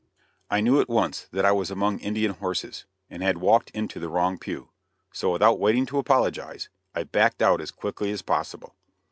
I knew at once that I was among Indian horses, and had walked into the wrong pew; so without waiting to apologize, I backed out as quickly as possible.